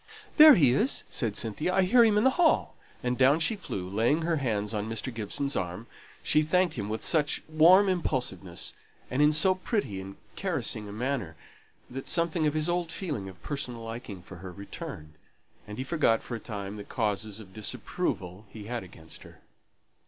"There he is!" said Cynthia. "I hear him in the hall!" And down she flew, and laying her hands on Mr. Gibson's arm, she thanked him with such warm impulsiveness, and in so pretty and caressing a manner, that something of his old feeling of personal liking for her returned, and he forgot for a time the causes of disapproval he had against her.